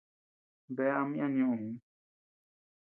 Bea ama yana ñuʼuu.